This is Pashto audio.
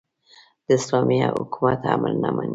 د اسلامي حکومت امر نه مني.